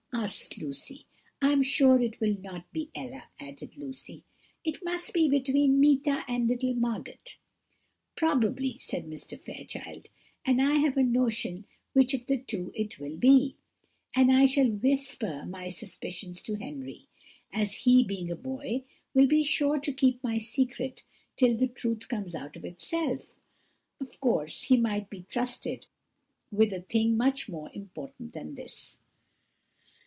asked Lucy. "I am sure it will not be Ella," added Lucy; "it must be between Meeta and little Margot." "Probably," said Mr. Fairchild; "and I have a notion which of the two it will be; and I shall whisper my suspicions to Henry; as he, being a boy, will be sure to keep my secret till the truth comes out of itself. Of course he might be trusted with a thing much more important than this."